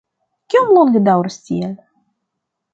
Kiom longe daŭros tiel?